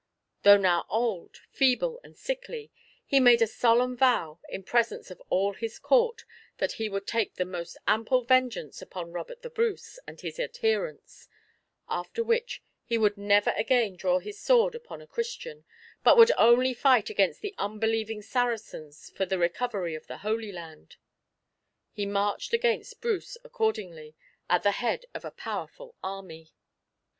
Though now old, feeble, and sickly, he made a solemn vow, in presence of all his court, that he would take the most ample vengeance upon Robert the Bruce and his adherents; after which he would never again draw his sword upon a Christian, but would only fight against the unbelieving Saracens for the recovery of the Holy Land. He marched against Bruce accordingly, at the head of a powerful army.